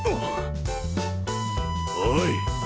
おい。